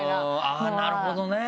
なるほどね！